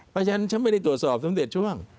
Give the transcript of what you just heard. เพราะฉะนั้นฉันไม่ได้ตรวจสอบสมเด็จช่วง